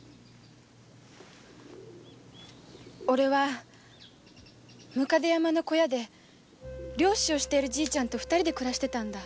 オレは百足山の小屋で猟師をしている爺ちゃんと二人で暮らしていたんだ。